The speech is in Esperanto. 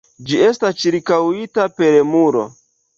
Ĝi estas ĉirkaŭita per muro.